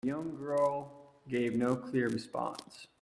The young girl gave no clear response.